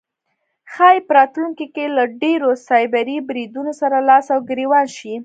ښایي په راتلونکی کې له لا ډیرو سایبري بریدونو سره لاس او ګریوان شي